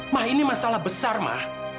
ma ini masalah besar ma